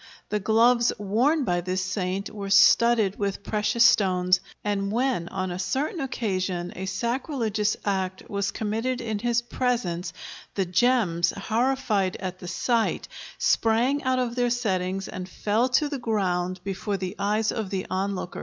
The gloves worn by this saint were studded with precious stones, and when on a certain occasion a sacrilegious act was committed in his presence, the gems, horrified at the sight, sprang out of their settings and fell to the ground before the eyes of the onlookers.